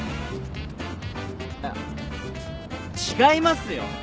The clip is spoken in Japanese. あっ違いますよ。